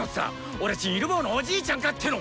俺ちんイル坊のおじいちゃんかっての！